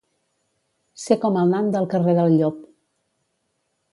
Ser com el nan del carrer del Llop.